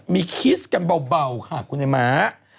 มีคิสกันเบาค่ะคุณไอ้ม้า